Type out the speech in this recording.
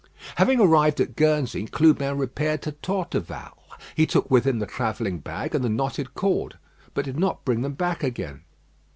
Having arrived at Guernsey, Clubin repaired to Torteval. He took with him the travelling bag and the knotted cord, but did not bring them back again.